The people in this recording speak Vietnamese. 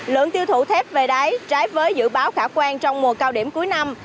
lượng tiêu thụ thép về đáy trái với dự báo khả quan trong mùa cao điểm cuối năm